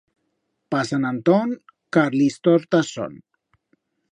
Pa Sant Antón, carlistortas son.